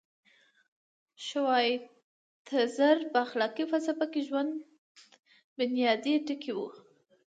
شوایتزر په اخلاقي فلسفه کې ژوند بنیادي ټکی و.